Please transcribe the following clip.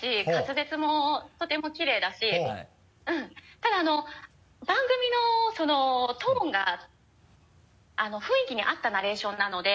ただあの番組のトーンが雰囲気に合ったナレーションなので。